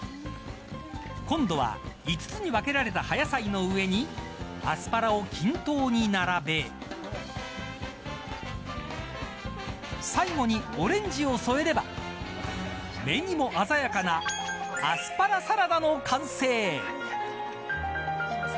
今度は５つに分けられた葉野菜の上にアスパラを均等に並べ最後にオレンジを添えれば目にも鮮やかなアスパラサラダの完成。